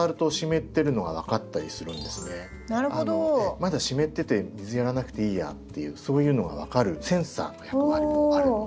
まだ湿ってて水やらなくていいやっていうそういうのが分かるセンサーの役割もあるので。